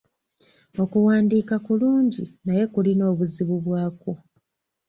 Okuwandiika kulungi naye kulina obuzibu bwakwo.